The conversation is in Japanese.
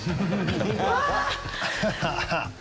アハハハ。